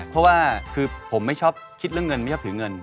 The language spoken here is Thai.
เพราะว่าคือผมไม่ชอบคิดเรื่องเงินไม่ชอบถือเงิน